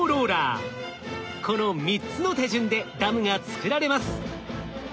この３つの手順でダムが造られます。